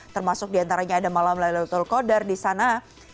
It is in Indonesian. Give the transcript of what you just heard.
termasuk diantaranya ada malam laylatul qadar disana